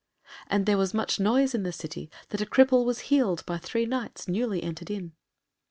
And there was much noise in the city that a cripple was healed by three Knights newly entered in.